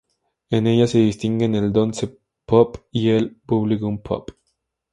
En ella se distinguen el dance pop y el bubblegum pop.